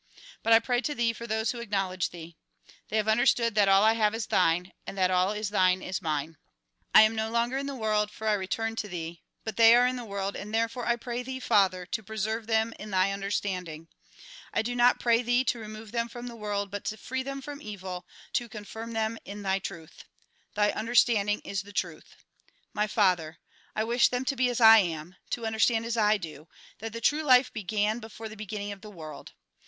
But I pray to Thee for those who acknowledge Thee. They have understood that all I have is Thine, and all that is Thine is mine. I am no longer in the world, for I return to Thee ; but they are in the world, and therefore I pray Thee, Father, to preserve in them Thy undr rstanding. I do not pray Thee to remove them I'rom the world, but to free them from evil ; to confirm them in Thy truth. Thy understanding is the truth. My Father ! I wish them to be as I am ; to understand as I do, that the true life began before the beginning of the world.